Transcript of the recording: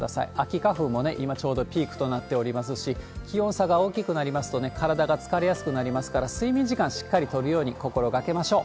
秋花粉も今、ちょうどピークとなっておりますし、気温差が大きくなりますと、体が疲れやすくなりますから、睡眠時間しっかり取るように心がけましょう。